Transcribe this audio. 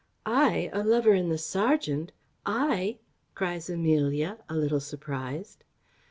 "I a lover in the serjeant! I!" cries Amelia, a little surprized.